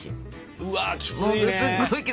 うわきついね。